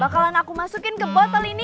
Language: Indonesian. bakalan aku masukin ke botol ini